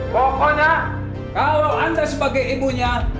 pokoknya kalau anda sebagai ibunya